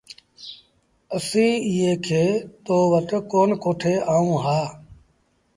اسيٚݩٚ ايٚئي کي توٚݩ وٽ ڪون ڪوٺي آئو هآ۔